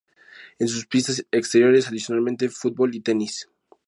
En sus pistas exteriores, adicionalmente, fútbol y tenis.